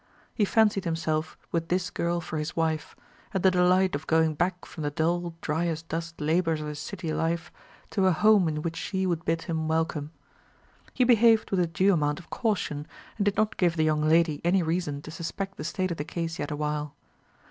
He fancied himself with this girl for his wife, and the delight of going back from the dull dryasdust labours of his city life to a home in which she would bid him welcome. He behaved with a due amount of caution, and did not give the young lady any reason to suspect the state of the case yet awhile.